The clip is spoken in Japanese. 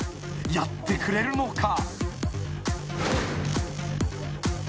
やってくれるのか？］